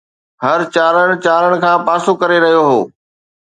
هر چارڻ چارڻ کان پاسو ڪري رهيو هو